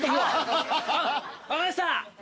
分かりました！